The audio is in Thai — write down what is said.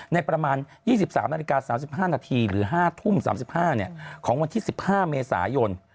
ในประมาณ๒๓นาฬิกา๓๕นาทีหรือ๕ทุ่ม๓๕ของวันที่๑๕เมษายน